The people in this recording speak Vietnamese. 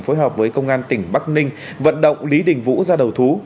phối hợp với công an tỉnh bắc ninh vận động lý đình vũ ra đầu thú